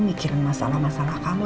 mikirin masalah masalah kamu